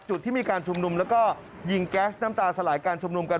จุดที่มีการชุมนุมแล้วก็ยิงแก๊สน้ำตาสลายการชุมนุมกัน